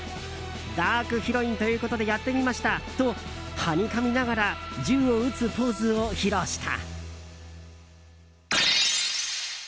ダークヒロインということでやってみましたとはにかみながら銃を撃つポーズを披露した。